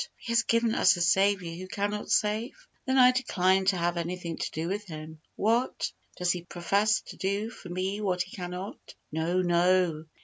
He has given us a Saviour who cannot save? Then I decline to have anything to do with Him. What! does He profess to do for me what He cannot? No, no.